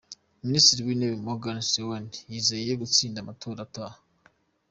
Minisitiri w’intebe Morgan Tsvangirai yizeye gutsinda amatora ataha